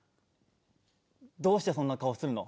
どうしてそんな顔するの？